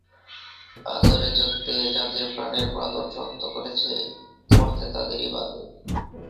আদরে যত্নে যাদের প্রাণের বাঁধন শক্ত করেছে মরতে তাদেরই বাধে।